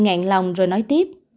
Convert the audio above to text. ông ri ngạc lòng rồi nói tiếp